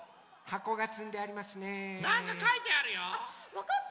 わかった！